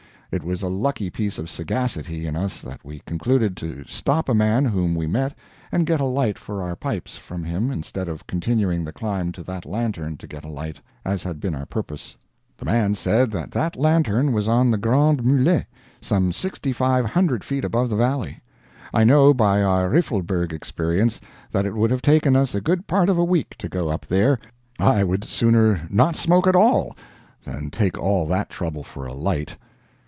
It was a lucky piece of sagacity in us that we concluded to stop a man whom we met and get a light for our pipes from him instead of continuing the climb to that lantern to get a light, as had been our purpose. The man said that that lantern was on the Grands Mulets, some sixty five hundred feet above the valley! I know by our Riffelberg experience, that it would have taken us a good part of a week to go up there. I would sooner not smoke at all, than take all that trouble for a light.